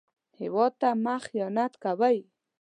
هېواد ته مه خيانت کوئ